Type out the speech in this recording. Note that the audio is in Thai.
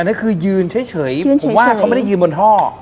อันนั้นคือยืนเฉยเฉยยืนเฉยเฉยผมว่าเขาไม่ได้ยืนบนท่อ